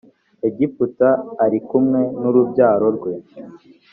egiputa ari kumwe n’urubyaro rwe